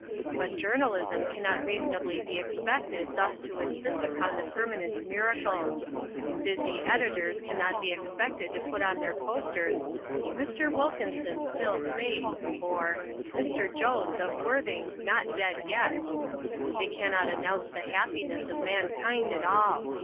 But journalism cannot reasonably be expected thus to insist upon the permanent miracles. Busy editors cannot be expected to put on their posters, "Mr. Wilkinson Still Safe," or "Mr. Jones, of Worthing, Not Dead Yet." They cannot announce the happiness of mankind at all.